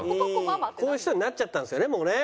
こういう人になっちゃったんですよねもうね。